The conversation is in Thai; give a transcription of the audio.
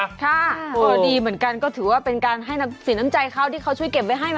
ค่ะก็ดีเหมือนกันก็ถือว่าเป็นการให้สินในใจเขาที่เขาช่วยเก็บไว้ให้ไหม